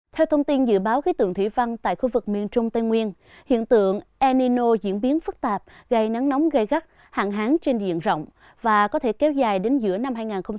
theo thông tin dự báo khí tượng thủy văn tại khu vực miền trung tây nguyên hiện tượng enino diễn biến phức tạp gây nắng nóng gây gắt hạn hán trên diện rộng và có thể kéo dài đến giữa năm hai nghìn hai mươi